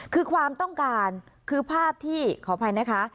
คือความต้องการคือภาพที่ขออภัยนะคะ